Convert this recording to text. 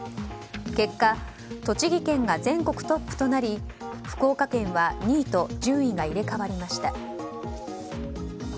結果、栃木県が全国トップとなり福岡県は２位と順位が入れ替わりました。